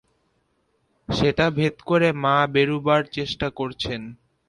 সেটা ভেদ করে মা বেরুবার চেষ্টা করছেন।